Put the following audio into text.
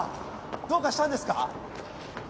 どうかしたんですか？